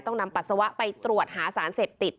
ต้องนำปัสสาวะไปตรวจหาสารเสบติดด้วย